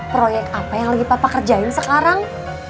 proyek apa yang lagi papa kerjain sekarang